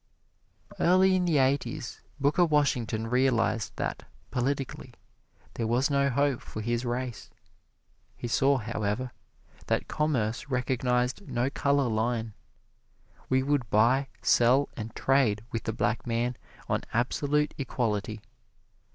Early in the Eighties, Booker Washington realized that, politically, there was no hope for his race. He saw, however, that commerce recognized no color line. We would buy, sell and trade with the black man on absolute equality.